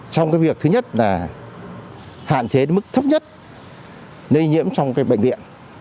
trong cái việc thứ nhất là hạn chế mức thấp nhất lây nhiễm trong cái bệnh viện